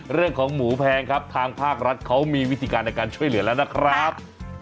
เรื่องของหมูแพงครับทางภาครัฐเขามีวิธีการในการช่วยเหลือแล้วนะครับ